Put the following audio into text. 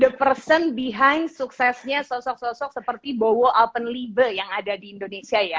the person behind suksesnya sosok sosok seperti bowo alpen libe yang ada di indonesia ya